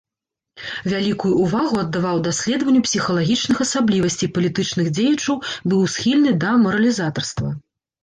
Вялікую ўвагу аддаваў даследаванню псіхалагічных асаблівасцей палітычных дзеячаў, быў схільны да маралізатарства.